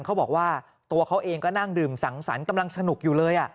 เขาบอกว่าตัวเขาเองก็นั่งดื่มสังสรรค์กำลังสนุกอยู่เลย